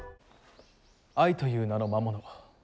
愛という名の魔物。